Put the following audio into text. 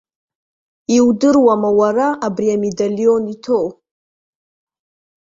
Иудыруама уара абри амедалион иҭоу?